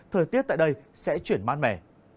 thời tiết tại đây sẽ chuyển mát mẻ